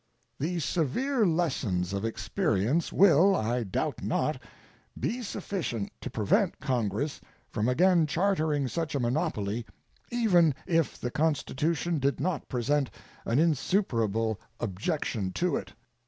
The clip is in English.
The severe lessons of experience will, I doubt not, be sufficient to prevent Congress from again chartering such a monopoly, even if the Constitution did not present an insuperable objection to it.